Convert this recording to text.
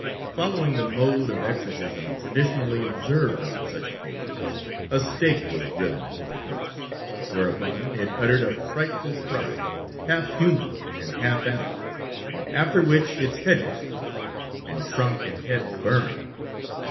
Following the mode of exorcism traditionally observed on such occasions, a stake was driven into the corpse, whereupon it uttered a frightful cry half human and half animal; after which its head was cut off, and trunk and head burned.